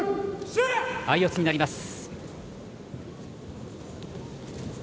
相四つになります。